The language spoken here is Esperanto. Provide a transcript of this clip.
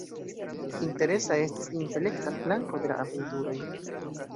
Interesa estas intelekta flanko de la aventuroj.